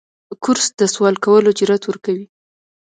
کورس د سوال کولو جرأت ورکوي.